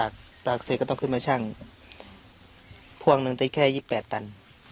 คนตักเสร็จก็ต้องขึ้นมาช่างพ่วงนึงต้องได้แค่ยิบแปดตัน